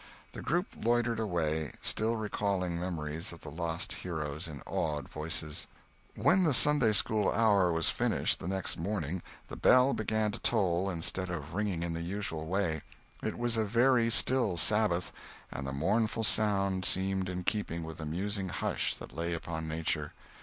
The group loitered away, still recalling memories of the lost heroes, in awed voices. When the Sunday school hour was finished, the next morning, the bell began to toll, instead of ringing in the usual way. It was a very still Sabbath, and the mournful sound seemed in keeping with the musing hush that lay upon nature.